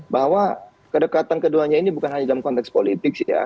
bahwa kedekatan keduanya ini bukan hanya dalam konteks politik sih ya